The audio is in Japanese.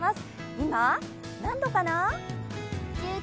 今、何度かな？